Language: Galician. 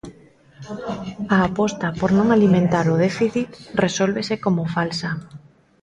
A aposta por non alimentar o déficit resólvese como falsa.